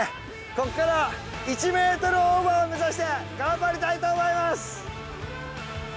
ここから１ｍオーバーを目指して頑張りたいと思います！